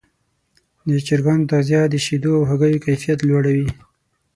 د چرګانو تغذیه د شیدو او هګیو کیفیت لوړوي.